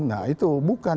nah itu bukan